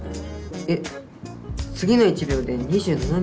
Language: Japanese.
えっ次の１秒で２７ｍ？